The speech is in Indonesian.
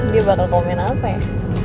dia bakal komen apa ya